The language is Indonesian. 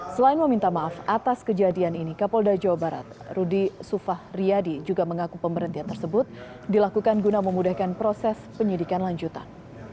selain meminta maaf atas kejadian ini kapolda jawa barat rudy sufah riyadi juga mengaku pemberhentian tersebut dilakukan guna memudahkan proses penyidikan lanjutan